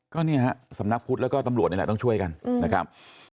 ก็เนี่ยฮะสำนักพุทธแล้วก็ตำรวจนี่แหละต้องช่วยกันนะครับ